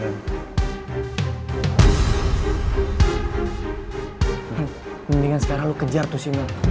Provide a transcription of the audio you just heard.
mendingan sekarang lu kejar tuh sinal